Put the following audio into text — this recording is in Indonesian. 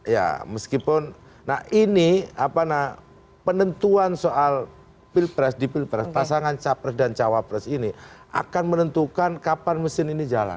ya meskipun nah ini penentuan soal pilpres di pilpres pasangan capres dan cawapres ini akan menentukan kapan mesin ini jalan